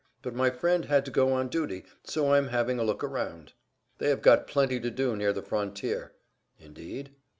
"But my friend had to go on duty, so I am having a look round." "They have got plenty to do near the frontier." "Indeed?"